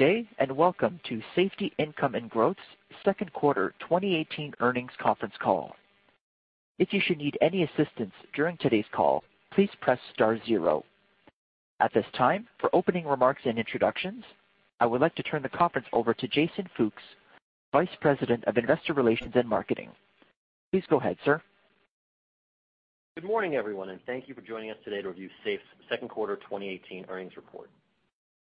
Good day, and welcome to Safety, Income and Growth's second quarter 2018 earnings conference call. If you should need any assistance during today's call, please press star zero. At this time, for opening remarks and introductions, I would like to turn the conference over to Jason Fooks, Vice President of Investor Relations and Marketing. Please go ahead, sir. Good morning, everyone, and thank you for joining us today to review SAFE's second quarter 2018 earnings report.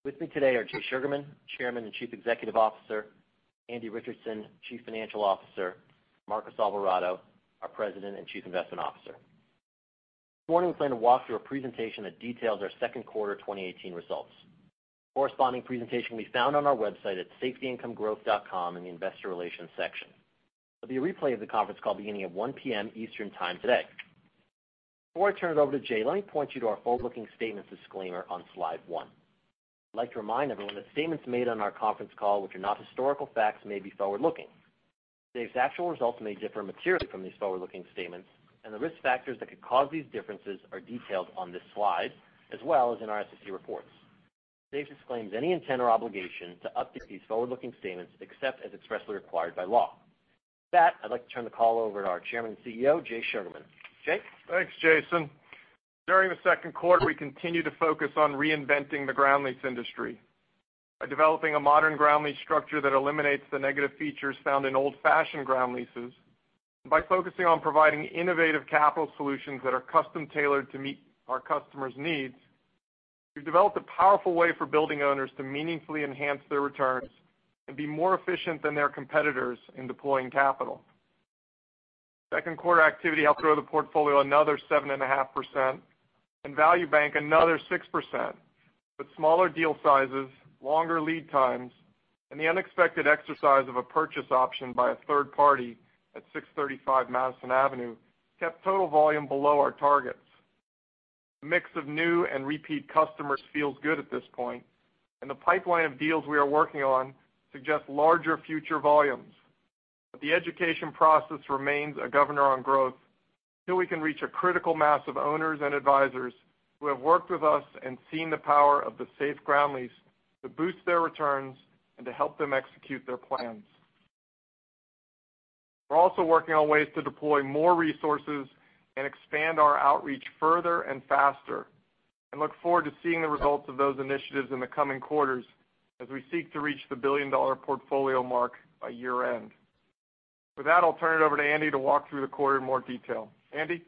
With me today are Jay Sugarman, Chairman and Chief Executive Officer, Andrew Richardson, Chief Financial Officer, Marcos Alvarado, our President and Chief Investment Officer. This morning, we plan to walk through a presentation that details our second quarter 2018 results. The corresponding presentation can be found on our website at safetyincomegrowth.com in the investor relations section. There'll be a replay of the conference call beginning at 1:00 P.M. Eastern Time today. Before I turn it over to Jay, let me point you to our forward-looking statements disclaimer on slide one. I'd like to remind everyone that statements made on our conference call which are not historical facts may be forward-looking. SAFE's actual results may differ materially from these forward-looking statements, and the risk factors that could cause these differences are detailed on this slide, as well as in our SEC reports. SAFE disclaims any intent or obligation to update these forward-looking statements except as expressly required by law. With that, I'd like to turn the call over to our Chairman and CEO, Jay Sugarman. Jay? Thanks, Jason. During the second quarter, we continued to focus on reinventing the ground lease industry. By developing a modern ground lease structure that eliminates the negative features found in old-fashioned ground leases, and by focusing on providing innovative capital solutions that are custom-tailored to meet our customers' needs, we've developed a powerful way for building owners to meaningfully enhance their returns and be more efficient than their competitors in deploying capital. Second quarter activity helped grow the portfolio another 7.5% and Value Bank another 6%, smaller deal sizes, longer lead times, and the unexpected exercise of a purchase option by a third party at 635 Madison Avenue kept total volume below our targets. The mix of new and repeat customers feels good at this point. The pipeline of deals we are working on suggests larger future volumes, the education process remains a governor on growth until we can reach a critical mass of owners and advisors who have worked with us and seen the power of the SAFE ground lease to boost their returns and to help them execute their plans. We're also working on ways to deploy more resources and expand our outreach further and faster. I look forward to seeing the results of those initiatives in the coming quarters as we seek to reach the billion-dollar portfolio mark by year-end. With that, I'll turn it over to Andy to walk through the quarter in more detail. Andy?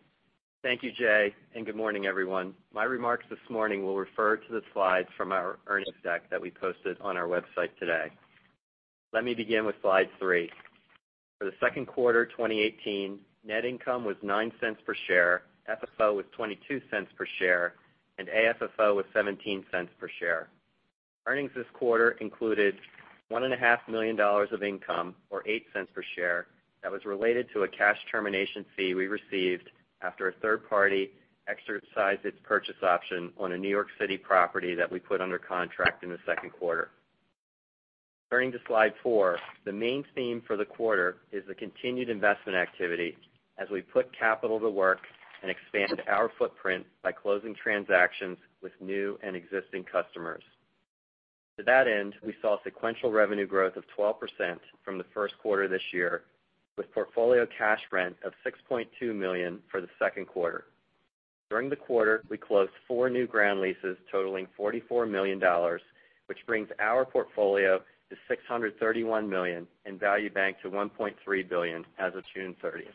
Thank you, Jay. Good morning, everyone. My remarks this morning will refer to the slides from our earnings deck that we posted on our website today. Let me begin with slide three. For the second quarter 2018, net income was $0.09 per share, FFO was $0.22 per share. AFFO was $0.17 per share. Earnings this quarter included $1.5 million of income, or $0.08 per share, that was related to a cash termination fee we received after a third party exercised its purchase option on a New York City property that we put under contract in the second quarter. Turning to slide four, the main theme for the quarter is the continued investment activity as we put capital to work and expand our footprint by closing transactions with new and existing customers. To that end, we saw sequential revenue growth of 12% from the first quarter of this year, with portfolio cash rent of $6.2 million for the second quarter. During the quarter, we closed four new ground leases totaling $44 million, which brings our portfolio to $631 million. Value Bank to $1.3 billion as of June 30th.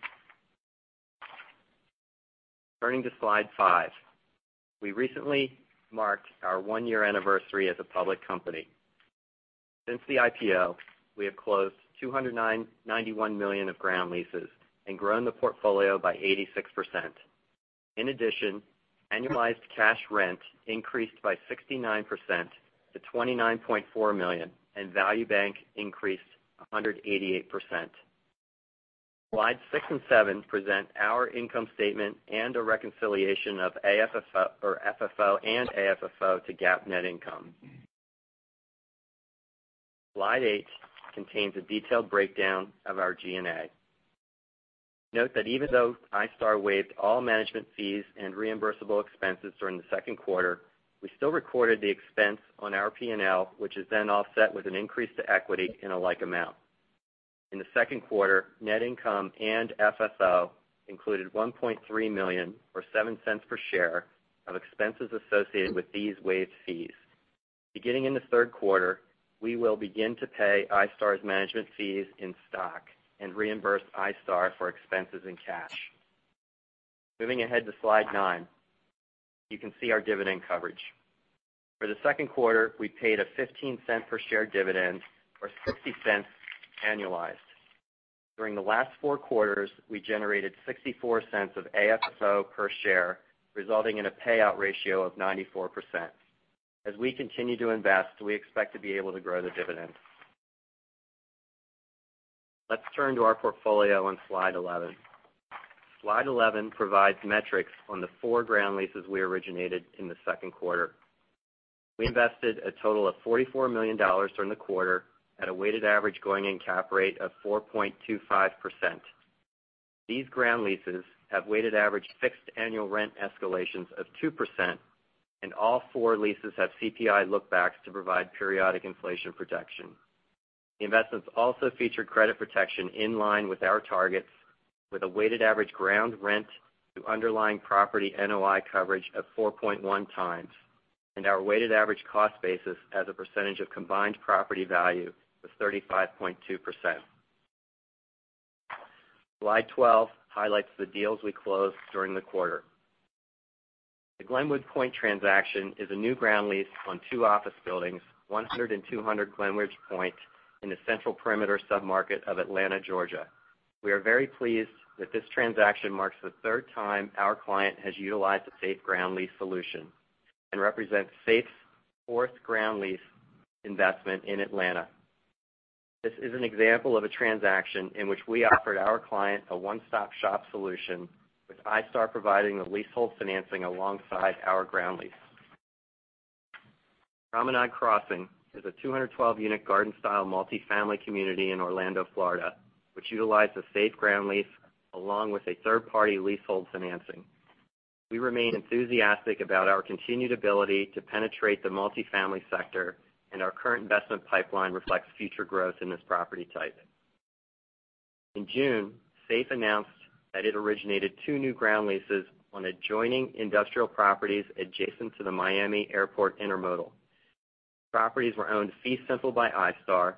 Turning to slide five. We recently marked our one-year anniversary as a public company. Since the IPO, we have closed $291 million of ground leases and grown the portfolio by 86%. In addition, annualized cash rent increased by 69% to $29.4 million. Value Bank increased 188%. Slides six and seven present our income statement and a reconciliation of FFO and AFFO to GAAP net income. Slide eight contains a detailed breakdown of our G&A. Note that even though iStar waived all management fees and reimbursable expenses during the second quarter, we still recorded the expense on our P&L, which is then offset with an increase to equity in a like amount. In the second quarter, net income and FFO included $1.3 million, or $0.07 per share, of expenses associated with these waived fees. Beginning in the third quarter, we will begin to pay iStar's management fees in stock and reimburse iStar for expenses in cash. Moving ahead to slide nine, you can see our dividend coverage. For the second quarter, we paid a $0.15 per share dividend, or $0.60 annualized. During the last four quarters, we generated $0.64 of AFFO per share, resulting in a payout ratio of 94%. As we continue to invest, we expect to be able to grow the dividend. Let's turn to our portfolio on slide 11. Slide 11 provides metrics on the four ground leases we originated in the second quarter. We invested a total of $44 million during the quarter at a weighted average going-in cap rate of 4.25%. These ground leases have weighted average fixed annual rent escalations of 2%, and all four leases have CPI look-backs to provide periodic inflation protection. The investments also feature credit protection in line with our targets, with a weighted average ground rent to underlying property NOI coverage of 4.1 times, and our weighted average cost basis as a percentage of combined property value was 35.2%. Slide 12 highlights the deals we closed during the quarter. The Glenwood Pointe transaction is a new ground lease on two office buildings, 100 and 200 Glenwood Pointe, in the Central Perimeter sub-market of Atlanta, Georgia. We are very pleased that this transaction marks the third time our client has utilized a SAFE ground lease solution and represents SAFE's fourth ground lease investment in Atlanta. This is an example of a transaction in which we offered our client a one-stop-shop solution, with iStar providing the leasehold financing alongside our ground lease. Promenade Crossing is a 212-unit garden-style multifamily community in Orlando, Florida, which utilized a SAFE ground lease along with a third-party leasehold financing. We remain enthusiastic about our continued ability to penetrate the multifamily sector, and our current investment pipeline reflects future growth in this property type. In June, SAFE announced that it originated two new ground leases on adjoining industrial properties adjacent to the Miami Airport Intermodal. Properties were owned fee simple by iStar,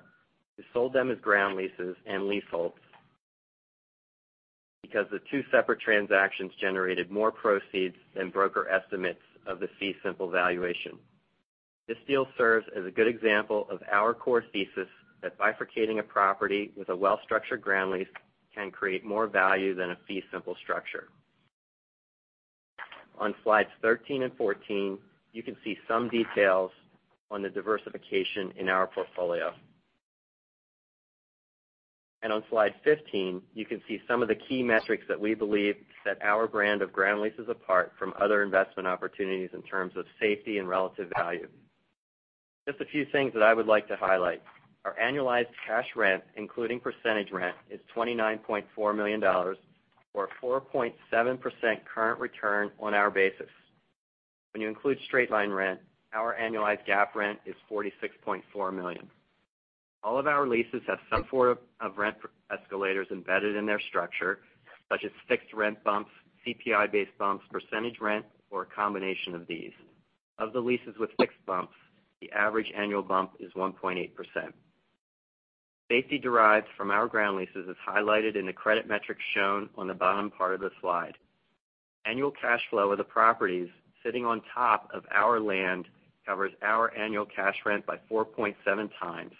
who sold them as ground leases and leaseholds because the two separate transactions generated more proceeds than broker estimates of the fee simple valuation. This deal serves as a good example of our core thesis that bifurcating a property with a well-structured ground lease can create more value than a fee simple structure. On slides 13 and 14, you can see some details on the diversification in our portfolio. On slide 15, you can see some of the key metrics that we believe set our brand of ground leases apart from other investment opportunities in terms of safety and relative value. Just a few things that I would like to highlight. Our annualized cash rent, including percentage rent, is $29.4 million, or 4.7% current return on our basis. When you include straight-line rent, our annualized GAAP rent is $46.4 million. All of our leases have some form of rent escalators embedded in their structure, such as fixed rent bumps, CPI-based bumps, percentage rent, or a combination of these. Of the leases with fixed bumps, the average annual bump is 1.8%. Safety derived from our ground leases is highlighted in the credit metrics shown on the bottom part of the slide. Annual cash flow of the properties sitting on top of our land covers our annual cash rent by 4.7 times,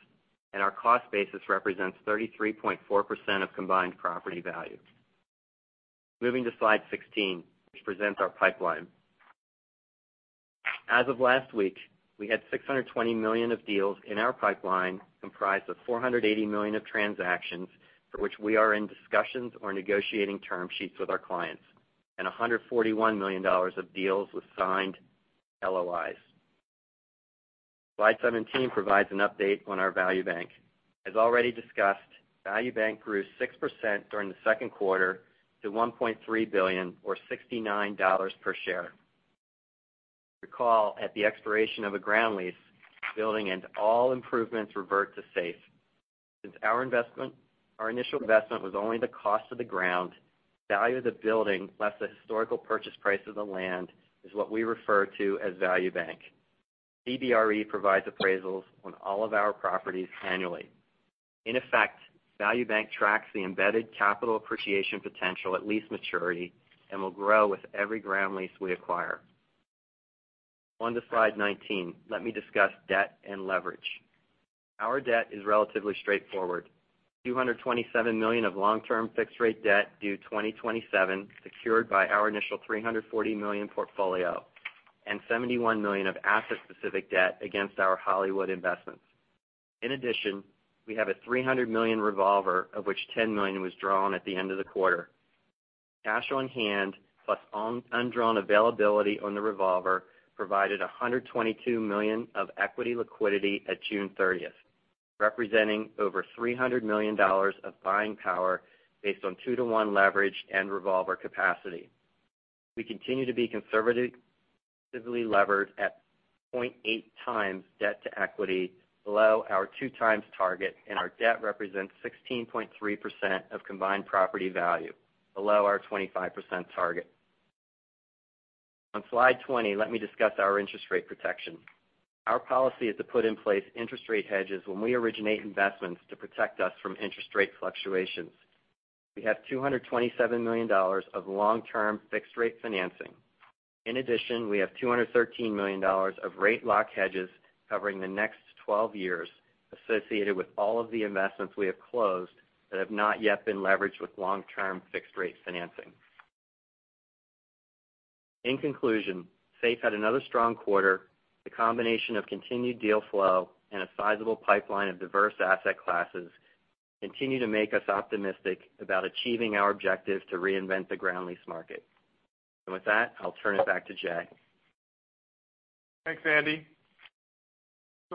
and our cost basis represents 33.4% of combined property value. Moving to slide 16, which presents our pipeline. As of last week, we had $620 million of deals in our pipeline, comprised of $480 million of transactions for which we are in discussions or negotiating term sheets with our clients, and $141 million of deals with signed LOIs. Slide 17 provides an update on our Value Bank. As already discussed, Value Bank grew 6% during the second quarter to $1.3 billion, or $69 per share. Recall at the expiration of a ground lease, building and all improvements revert to SAFE. Since our initial investment was only the cost of the ground, value of the building less the historical purchase price of the land is what we refer to as Value Bank. CBRE provides appraisals on all of our properties annually. In effect, Value Bank tracks the embedded capital appreciation potential at lease maturity and will grow with every ground lease we acquire. On to slide 19. Let me discuss debt and leverage. Our debt is relatively straightforward. $227 million of long-term fixed rate debt due 2027, secured by our initial $340 million portfolio, and $71 million of asset-specific debt against our Hollywood investments. We have a $300 million revolver, of which $10 million was drawn at the end of the quarter. Cash on hand, plus undrawn availability on the revolver, provided $122 million of equity liquidity at June 30th, representing over $300 million of buying power based on 2:1 leverage and revolver capacity. We continue to be conservatively levered at 0.8 times debt to equity, below our two times target, and our debt represents 16.3% of combined property value, below our 25% target. On slide 20, let me discuss our interest rate protection. Our policy is to put in place interest rate hedges when we originate investments to protect us from interest rate fluctuations. We have $227 million of long-term fixed rate financing. We have $213 million of rate lock hedges covering the next 12 years associated with all of the investments we have closed that have not yet been leveraged with long-term fixed rate financing. SAFE had another strong quarter. The combination of continued deal flow and a sizable pipeline of diverse asset classes continue to make us optimistic about achieving our objective to reinvent the ground lease market. With that, I'll turn it back to Jay. Thanks, Andy.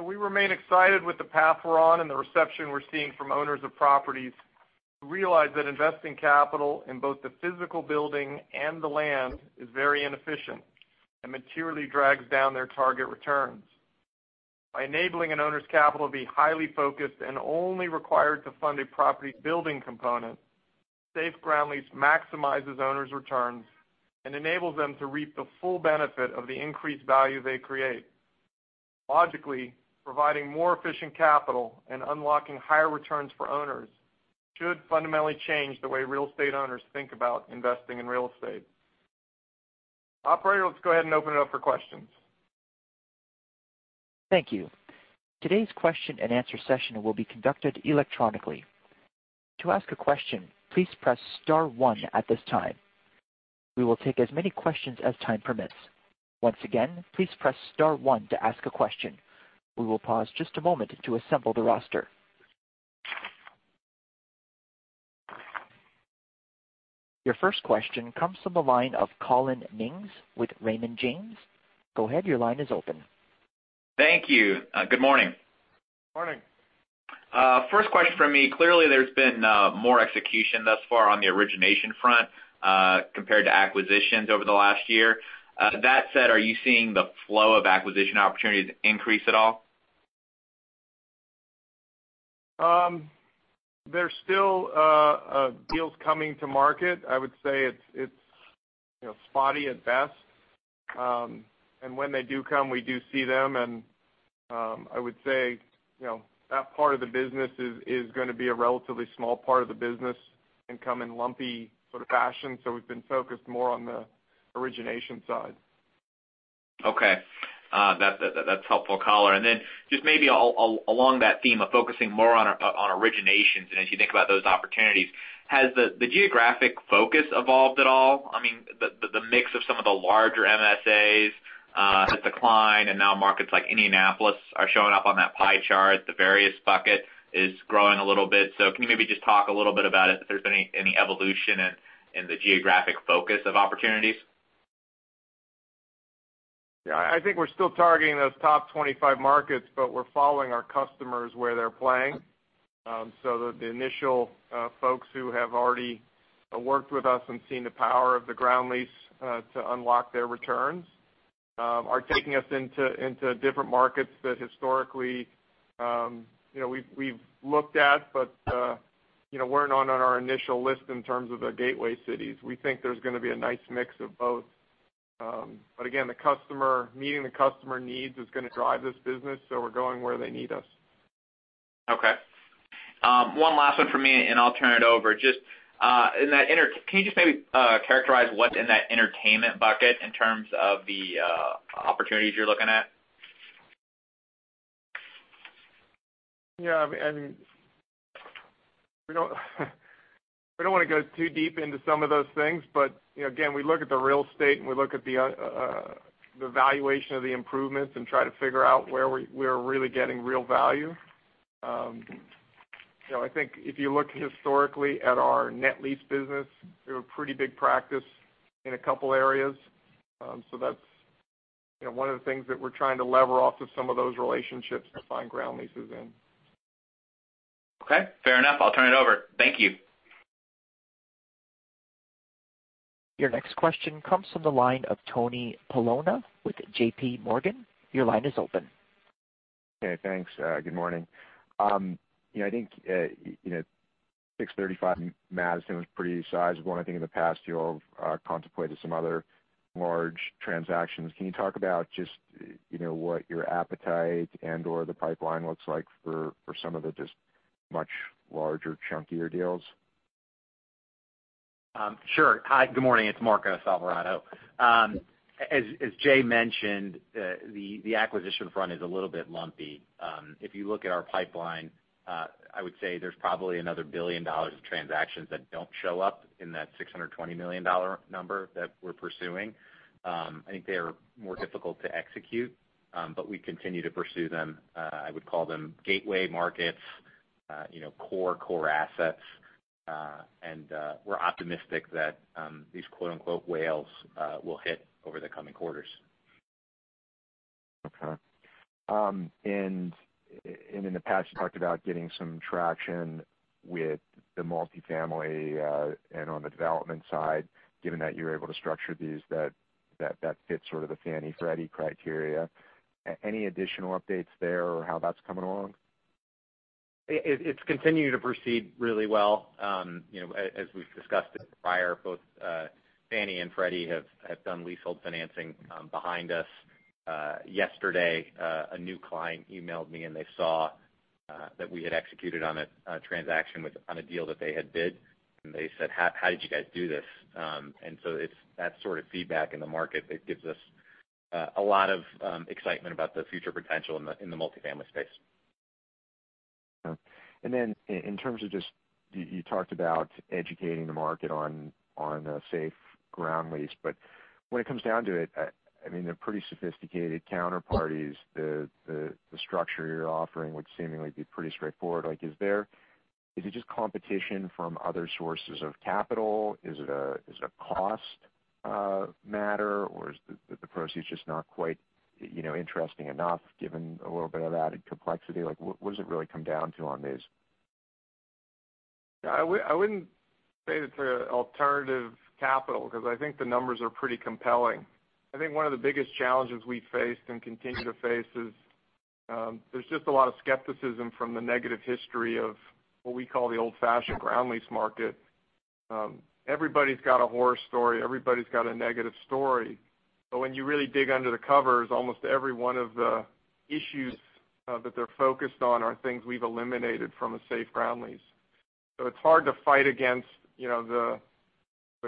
We remain excited with the path we're on and the reception we're seeing from owners of properties who realize that investing capital in both the physical building and the land is very inefficient and materially drags down their target returns. By enabling an owner's capital to be highly focused and only required to fund a property's building component, Safehold ground lease maximizes owners' returns and enables them to reap the full benefit of the increased value they create. Logically, providing more efficient capital and unlocking higher returns for owners should fundamentally change the way real estate owners think about investing in real estate. Operator, let's go ahead and open it up for questions. Thank you. Today's question and answer session will be conducted electronically. To ask a question, please press star one at this time. We will take as many questions as time permits. Once again, please press star one to ask a question. We will pause just a moment to assemble the roster. Your first question comes from the line of Collin Mings with Raymond James. Go ahead, your line is open. Thank you. Good morning. Morning. First question from me. Clearly, there's been more execution thus far on the origination front compared to acquisitions over the last year. That said, are you seeing the flow of acquisition opportunities increase at all? There's still deals coming to market. I would say it's spotty at best. When they do come, we do see them, and I would say that part of the business is going to be a relatively small part of the business and come in lumpy sort of fashion. We've been focused more on the origination side. Okay. That's helpful, color. Just maybe along that theme of focusing more on originations and as you think about those opportunities, has the geographic focus evolved at all? The mix of some of the larger MSAs has declined, and now markets like Indianapolis are showing up on that pie chart. The various bucket is growing a little bit. Can you maybe just talk a little bit about if there's any evolution in the geographic focus of opportunities? I think we're still targeting those top 25 markets, but we're following our customers where they're playing. The initial folks who have already worked with us and seen the power of the ground lease to unlock their returns are taking us into different markets that historically we've looked at, but weren't on our initial list in terms of the gateway cities. We think there's going to be a nice mix of both. Again, meeting the customer needs is going to drive this business, so we're going where they need us. Okay. One last one for me, and I'll turn it over. Can you just maybe characterize what's in that entertainment bucket in terms of the opportunities you're looking at? We don't want to go too deep into some of those things. Again, we look at the real estate, and we look at the valuation of the improvements and try to figure out where we're really getting real value. I think if you look historically at our net lease business, we have a pretty big practice in a couple areas. That's one of the things that we're trying to lever off of some of those relationships to find ground leases in. Okay, fair enough. I'll turn it over. Thank you. Your next question comes from the line of Tony Paolone with JPMorgan. Your line is open. Okay, thanks. Good morning. I think 635 Madison was pretty sizable, and I think in the past you all have contemplated some other large transactions. Can you talk about just what your appetite and/or the pipeline looks like for some of the just much larger, chunkier deals? Sure. Good morning. It's Marcos Alvarado. As Jay mentioned, the acquisition front is a little bit lumpy. If you look at our pipeline, I would say there's probably another $1 billion of transactions that don't show up in that $620 million number that we're pursuing. I think they are more difficult to execute, but we continue to pursue them. I would call them gateway markets, core assets, and we're optimistic that these quote unquote "whales" will hit over the coming quarters. In the past, you talked about getting some traction with the multi-family and on the development side, given that you're able to structure these that fits sort of the Fannie/Freddie criteria. Any additional updates there or how that's coming along? It's continuing to proceed really well. As we've discussed prior, both Fannie and Freddie have done leasehold financing behind us. Yesterday, a new client emailed me, and they saw that we had executed on a transaction on a deal that they had bid, and they said, "How did you guys do this?" It's that sort of feedback in the market that gives us a lot of excitement about the future potential in the multi-family space. In terms of just, you talked about educating the market on a Safehold ground lease, when it comes down to it, they're pretty sophisticated counterparties. The structure you're offering would seemingly be pretty straightforward. Is it just competition from other sources of capital? Is it a cost matter? Is the proceeds just not quite interesting enough given a little bit of added complexity? What does it really come down to on these? I wouldn't say that they're alternative capital, because I think the numbers are pretty compelling. I think one of the biggest challenges we faced and continue to face is, there's just a lot of skepticism from the negative history of what we call the old-fashioned ground lease market. Everybody's got a horror story. Everybody's got a negative story. When you really dig under the covers, almost every one of the issues that they're focused on are things we've eliminated from a SAFE ground lease. It's hard to fight against the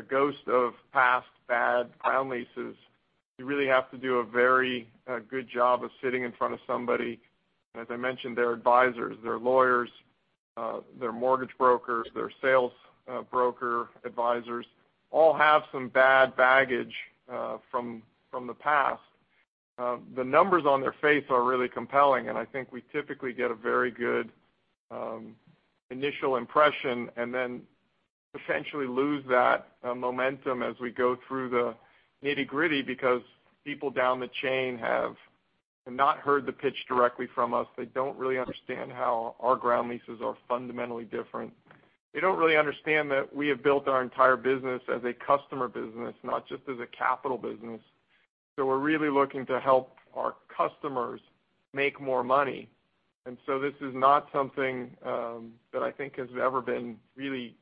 ghost of past bad ground leases. You really have to do a very good job of sitting in front of somebody. As I mentioned, their advisors, their lawyers, their mortgage brokers, their sales broker advisors, all have some bad baggage from the past. The numbers on their face are really compelling. I think we typically get a very good initial impression and then essentially lose that momentum as we go through the nitty-gritty, because people down the chain have not heard the pitch directly from us. They don't really understand how our ground leases are fundamentally different. They don't really understand that we have built our entire business as a customer business, not just as a capital business. We're really looking to help our customers make more money. This is not something that I think has ever been really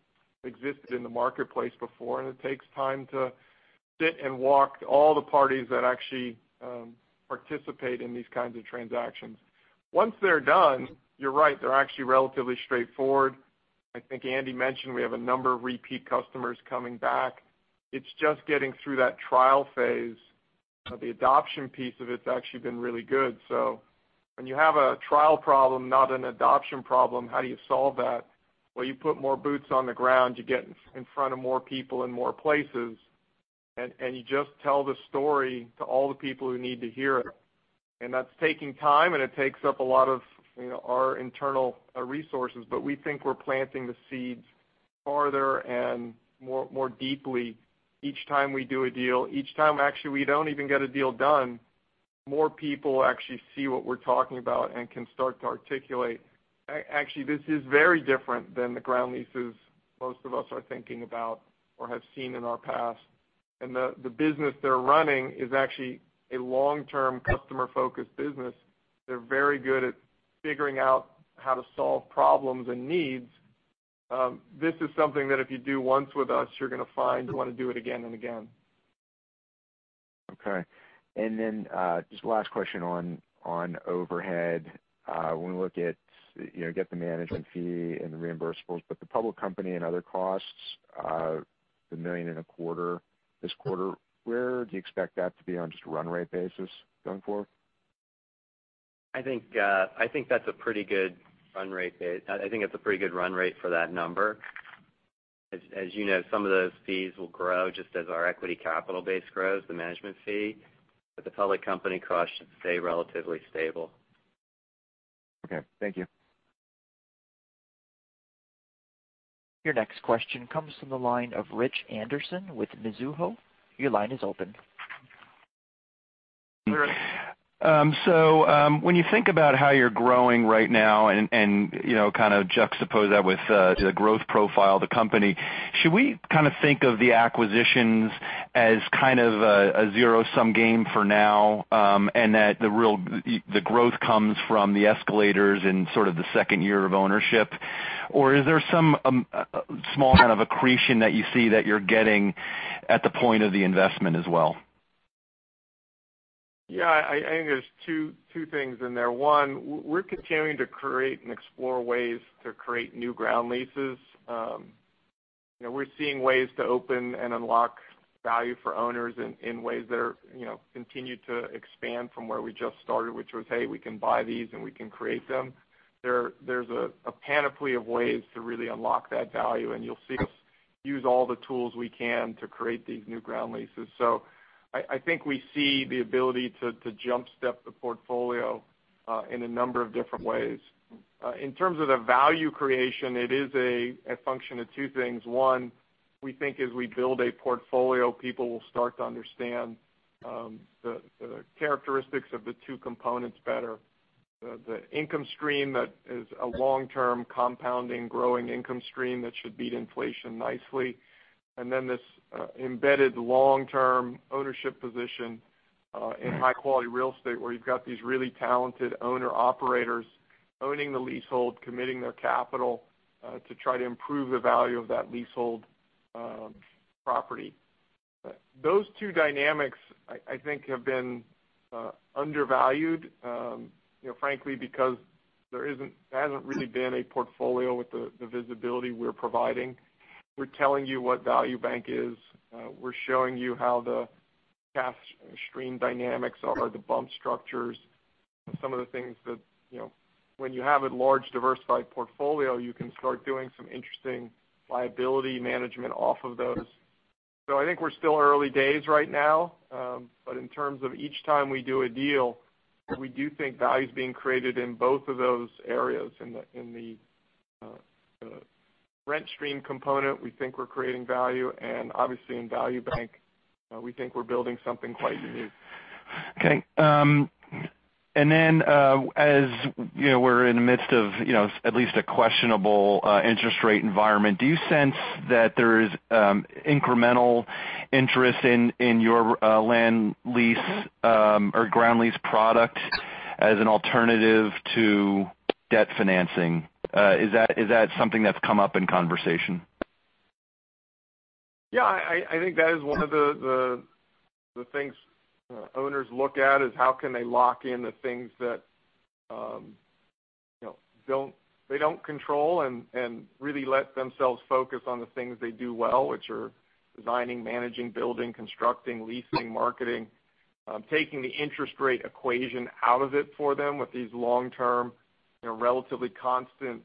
existed in the marketplace before. It takes time to sit and walk all the parties that actually participate in these kinds of transactions. Once they're done, you're right, they're actually relatively straightforward. I think Andy mentioned we have a number of repeat customers coming back. It's just getting through that trial phase. The adoption piece of it's actually been really good. When you have a trial problem, not an adoption problem, how do you solve that? Well, you put more boots on the ground. You get in front of more people in more places, you just tell the story to all the people who need to hear it. That's taking time, it takes up a lot of our internal resources, we think we're planting the seeds farther and more deeply each time we do a deal. Each time, actually, we don't even get a deal done, more people actually see what we're talking about and can start to articulate. Actually, this is very different than the ground leases most of us are thinking about or have seen in our past. The business they're running is actually a long-term customer-focused business. They're very good at figuring out how to solve problems and needs. This is something that if you do once with us, you're going to find you want to do it again and again. Okay. Just last question on overhead. When we look at get the management fee and the reimbursables, the public company and other costs, the million and a quarter this quarter, where do you expect that to be on just a run rate basis going forward? I think that's a pretty good run rate for that number. As you know, some of those fees will grow just as our equity capital base grows, the management fee. The public company costs should stay relatively stable. Okay. Thank you. Your next question comes from the line of Rich Anderson with Mizuho. Your line is open. When you think about how you're growing right now and kind of juxtapose that with the growth profile of the company, should we kind of think of the acquisitions as kind of a zero-sum game for now, and that the growth comes from the escalators in sort of the second year of ownership? Or is there some small kind of accretion that you see that you're getting at the point of the investment as well? I think there's two things in there. One, we're continuing to create and explore ways to create new ground leases. We're seeing ways to open and unlock value for owners in ways that are continued to expand from where we just started, which was, hey, we can buy these, and we can create them. There's a panoply of ways to really unlock that value, and you'll see us use all the tools we can to create these new ground leases. I think we see the ability to jump step the portfolio in a number of different ways. In terms of the value creation, it is a function of two things. One, we think as we build a portfolio, people will start to understand the characteristics of the two components better. The income stream that is a long-term compounding growing income stream that should beat inflation nicely. This embedded long-term ownership position in high-quality real estate where you've got these really talented owner operators owning the leasehold, committing their capital to try to improve the value of that leasehold property. Those two dynamics, I think, have been undervalued, frankly, because there hasn't really been a portfolio with the visibility we're providing. We're telling you what Value Bank is. We're showing you how the cash stream dynamics are, the bump structures, some of the things that when you have a large diversified portfolio, you can start doing some interesting liability management off of those. I think we're still early days right now. In terms of each time we do a deal, we do think value's being created in both of those areas. In the rent stream component, we think we're creating value, and obviously in Value Bank, we think we're building something quite unique. Okay. As we're in the midst of at least a questionable interest rate environment, do you sense that there's incremental interest in your land lease or ground lease product as an alternative to debt financing? Is that something that's come up in conversation? I think that is one of the things owners look at, is how can they lock in the things that they don't control, and really let themselves focus on the things they do well, which are designing, managing, building, constructing, leasing, marketing. Taking the interest rate equation out of it for them with these long-term, relatively constant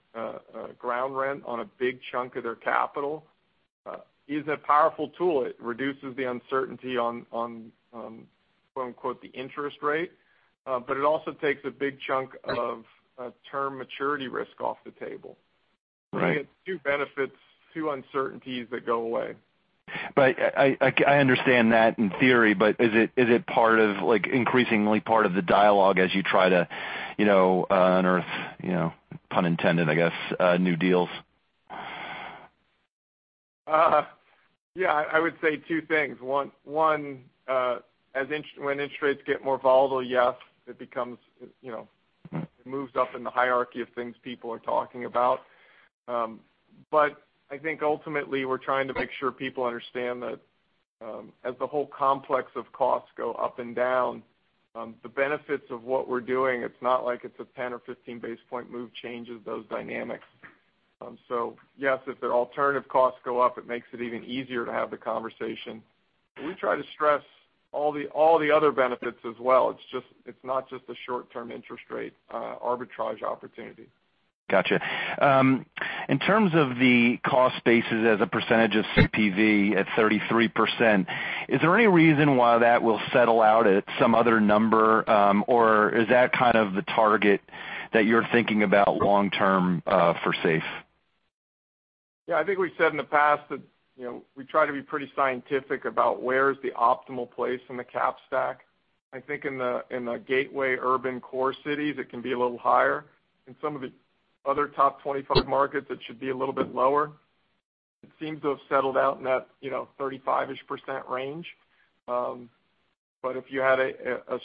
ground rent on a big chunk of their capital, is a powerful tool. It reduces the uncertainty on quote-unquote, the interest rate. It also takes a big chunk of term maturity risk off the table. Right. You get two benefits, two uncertainties that go away. I understand that in theory, but is it increasingly part of the dialogue as you try to unearth, pun intended, I guess, new deals? I would say two things. One, when interest rates get more volatile, yes, it moves up in the hierarchy of things people are talking about. I think ultimately, we're trying to make sure people understand that, as the whole complex of costs go up and down, the benefits of what we're doing, it's not like it's a 10 or 15-basis point move changes those dynamics. Yes, if their alternative costs go up, it makes it even easier to have the conversation. We try to stress all the other benefits as well. It's not just a short-term interest rate arbitrage opportunity. Got you. In terms of the cost basis as a percentage of CPV at 33%, is there any reason why that will settle out at some other number? Or is that kind of the target that you're thinking about long-term for SAFE? Yeah. I think we said in the past that we try to be pretty scientific about where is the optimal place in the cap stack. I think in the gateway urban core cities, it can be a little higher. In some of the other top 25 markets, it should be a little bit lower. It seems to have settled out in that, 35-ish% range. If you had a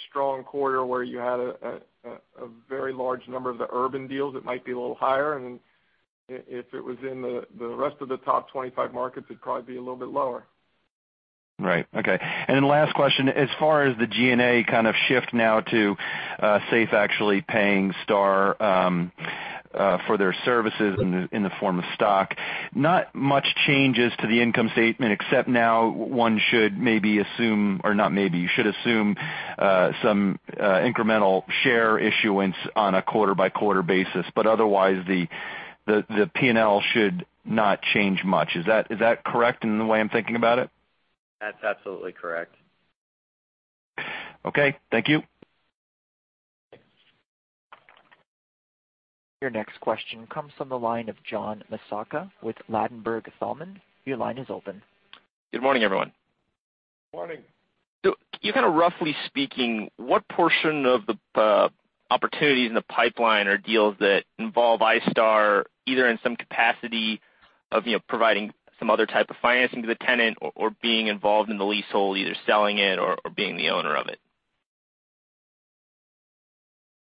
strong quarter where you had a very large number of the urban deals, it might be a little higher. If it was in the rest of the top 25 markets, it'd probably be a little bit lower. Right. Okay. Last question. As far as the G&A kind of shift now to SAFE actually paying iStar for their services in the form of stock, not much changes to the income statement, except now one should maybe assume, or not maybe, you should assume some incremental share issuance on a quarter-by-quarter basis. Otherwise, the P&L should not change much. Is that correct in the way I'm thinking about it? That's absolutely correct. Okay, thank you. Your next question comes from the line of John Massocca with Ladenburg Thalmann. Your line is open. Good morning, everyone. Morning. Kind of roughly speaking, what portion of the opportunities in the pipeline are deals that involve iStar, either in some capacity of providing some other type of financing to the tenant or being involved in the leasehold, either selling it or being the owner of it?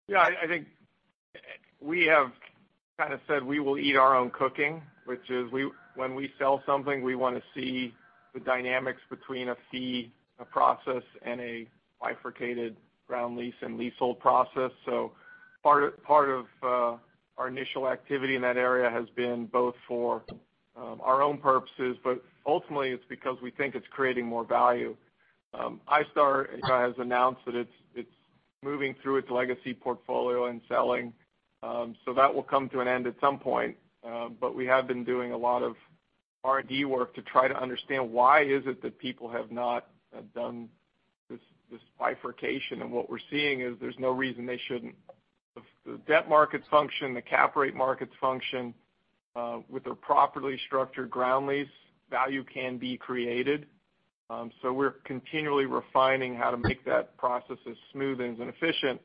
Yeah. I think we have kind of said we will eat our own cooking, which is when we sell something, we want to see the dynamics between a fee, a process, and a bifurcated ground lease and leasehold process. Part of our initial activity in that area has been both for our own purposes, but ultimately it's because we think it's creating more value. iStar has announced that it's moving through its legacy portfolio and selling. That will come to an end at some point. We have been doing a lot of R&D work to try to understand why is it that people have not done this bifurcation, and what we're seeing is there's no reason they shouldn't. The debt markets function, the cap rate markets function. With a properly structured ground lease, value can be created. We're continually refining how to make that process as smooth and as efficient.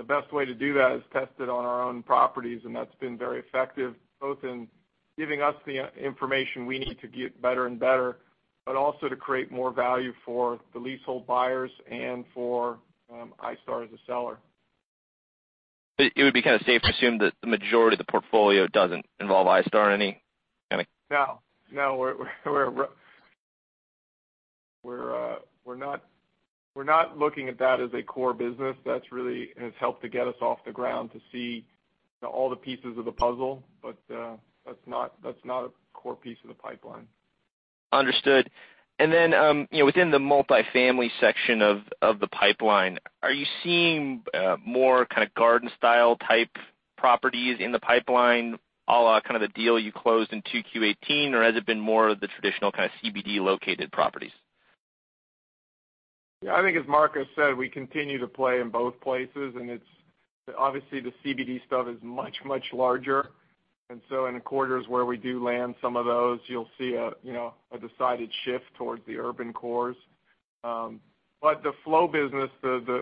The best way to do that is test it on our own properties, and that's been very effective, both in giving us the information we need to get better and better, but also to create more value for the leasehold buyers and for iStar as a seller. It would be kind of safe to assume that the majority of the portfolio doesn't involve iStar in any way? No. We're not looking at that as a core business. That really has helped to get us off the ground to see all the pieces of the puzzle. That's not a core piece of the pipeline. Understood. Then, within the multifamily section of the pipeline, are you seeing more kind of garden-style type properties in the pipeline, all kind of the deal you closed in 2Q 2018, or has it been more of the traditional kind of CBD-located properties? Yeah, I think as Marcos said, we continue to play in both places, and it's obviously the CBD stuff is much, much larger. In the quarters where we do land some of those, you'll see a decided shift towards the urban cores. The flow business,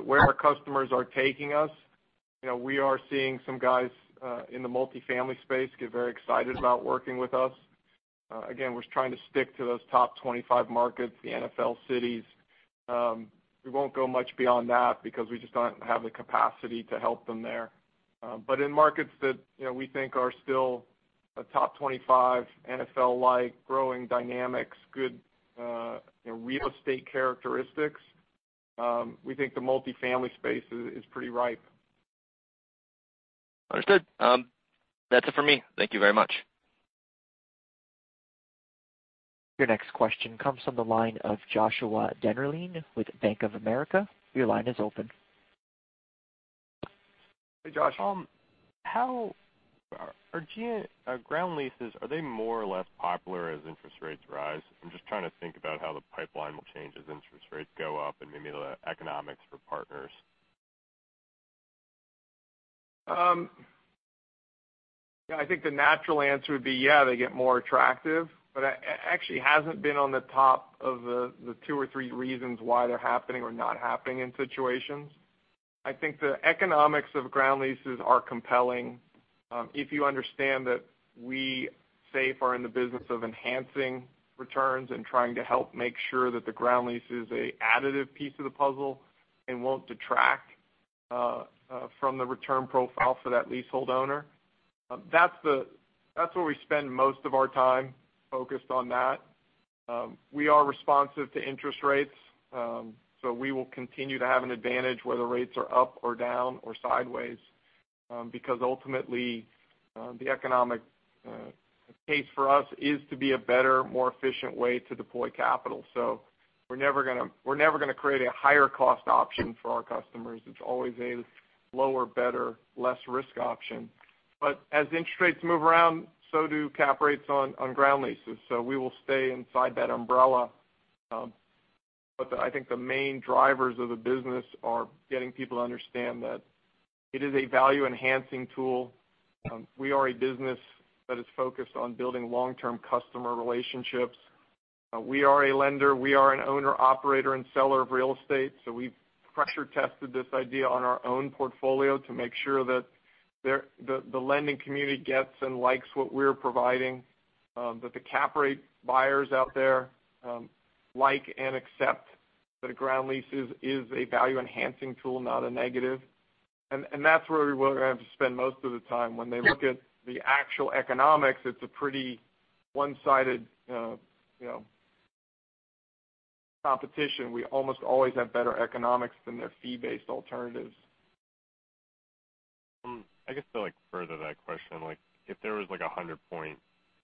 where our customers are taking us, we are seeing some guys in the multifamily space get very excited about working with us. Again, we're trying to stick to those top 25 markets, the NFL cities. We won't go much beyond that because we just don't have the capacity to help them there. In markets that we think are still a top 25, NFL-like, growing dynamics, good real estate characteristics, we think the multifamily space is pretty ripe. Understood. That's it for me. Thank you very much. Your next question comes from the line of Joshua Dennerlein with Bank of America. Your line is open. Hey, Josh. How are ground leases, are they more or less popular as interest rates rise? I'm just trying to think about how the pipeline will change as interest rates go up and maybe the economics for partners. Yeah, I think the natural answer would be, yeah, they get more attractive, it actually hasn't been on the top of the two or three reasons why they're happening or not happening in situations. I think the economics of ground leases are compelling, if you understand that we, SAFE, are in the business of enhancing returns and trying to help make sure that the ground lease is a additive piece of the puzzle and won't detract from the return profile for that leasehold owner. That's where we spend most of our time focused on that. We are responsive to interest rates, we will continue to have an advantage whether rates are up or down or sideways. Ultimately, the economic case for us is to be a better, more efficient way to deploy capital. We're never gonna create a higher-cost option for our customers. It's always a lower, better, less-risk option. As interest rates move around, so do cap rates on ground leases. We will stay inside that umbrella. I think the main drivers of the business are getting people to understand that it is a value-enhancing tool. We are a business that is focused on building long-term customer relationships. We are a lender. We are an owner, operator, and seller of real estate, we've pressure tested this idea on our own portfolio to make sure that the lending community gets and likes what we're providing, that the cap rate buyers out there like and accept that a ground lease is a value-enhancing tool, not a negative. That's where we have to spend most of the time. When they look at the actual economics, it's a pretty one-sided competition. We almost always have better economics than their fee-based alternatives. I guess to further that question, if there was, like, 100-point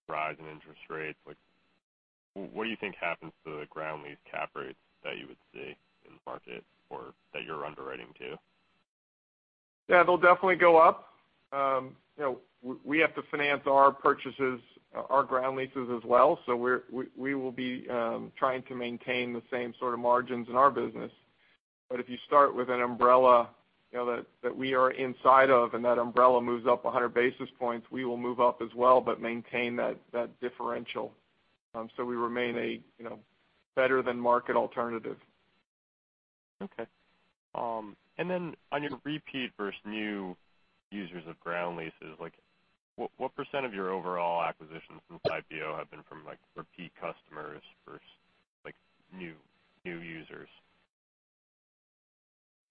rise in interest rates, what do you think happens to the ground lease cap rates that you would see in the market or that you're underwriting to? Yeah, they'll definitely go up. We have to finance our purchases, our ground leases as well. We will be trying to maintain the same sort of margins in our business. If you start with an umbrella that we are inside of and that umbrella moves up 100 basis points, we will move up as well, but maintain that differential, so we remain a better-than-market alternative. Okay. On your repeat versus new users of ground leases, what % of your overall acquisitions since IPO have been from repeat customers versus new users?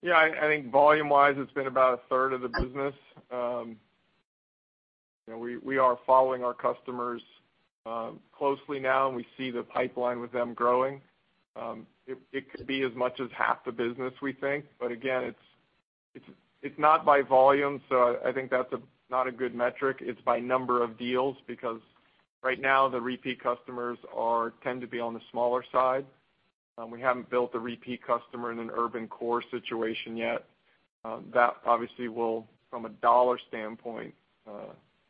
Yeah, I think volume-wise, it's been about a third of the business. We are following our customers closely now. We see the pipeline with them growing. It could be as much as half the business, we think, but again, it's not by volume. I think that's not a good metric. It's by number of deals, because right now the repeat customers tend to be on the smaller side. We haven't built a repeat customer in an urban core situation yet. That obviously will, from a dollar standpoint,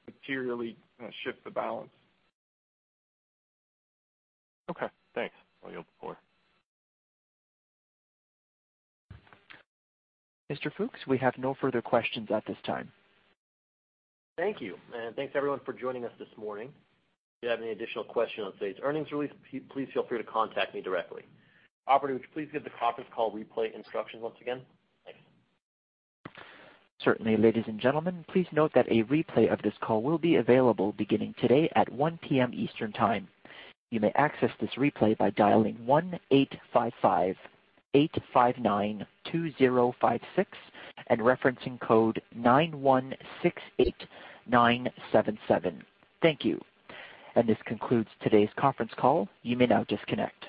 materially shift the balance. Okay, thanks. I yield the floor. Mr. Fooks, we have no further questions at this time. Thank you. Thanks everyone for joining us this morning. If you have any additional questions on today's earnings release, please feel free to contact me directly. Operator, would you please give the conference call replay instructions once again? Thanks. Certainly. Ladies and gentlemen, please note that a replay of this call will be available beginning today at 1:00 P.M. Eastern Time. You may access this replay by dialing 1-855-859-2056 and referencing code 9168977. Thank you. This concludes today's conference call. You may now disconnect.